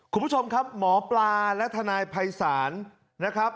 คุณผู้ชมครับหมอปลาและทนายภัยศาลนะครับ